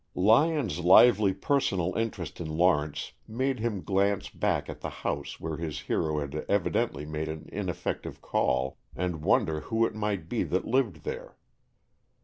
Lyon's lively personal interest in Lawrence made him glance back at the house where his hero had evidently made an ineffective call, and wonder who it might be that lived there.